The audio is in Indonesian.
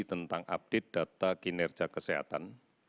tentang update data kinerja kesehatan